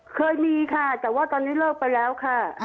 เคยมีค่ะแต่ว่าตอนนี้เลิกไปแล้วค่ะ